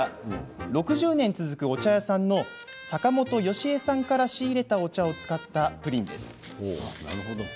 ６０年続くお茶屋さんの坂元よしえさんから仕入れたお茶を使ったプリンです。